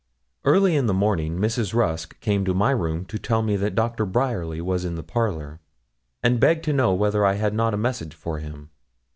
Early in the morning Mrs. Rusk came to my room to tell me that Doctor Bryerly was in the parlour, and begged to know whether I had not a message for him.